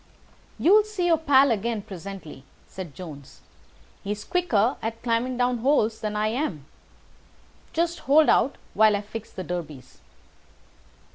"You'll see your pal again presently," said Jones. "He's quicker at climbing down holes than I am. Just hold out while I fix the derbies."